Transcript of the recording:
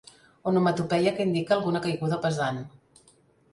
Onomatopeia que indica alguna caiguda pesant.